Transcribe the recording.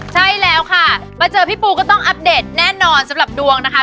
ใช่แล้วค่ะมาเจอพี่ปูก็ต้องอัปเดตแน่นอนสำหรับดวงนะคะ